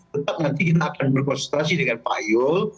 tetap nanti kita akan berkonsultasi dengan pak yul